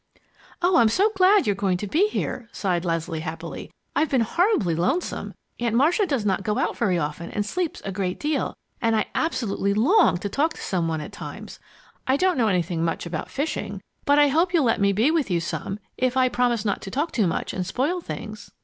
'" "Oh, I'm so glad you're going to be here!" sighed Leslie, happily. "I've been horribly lonesome! Aunt Marcia does not go out very often and sleeps a great deal, and I absolutely long to talk to some one at times. I don't know anything much about fishing, but I hope you'll let me be with you some, if I promise not to talk too much and spoil things!"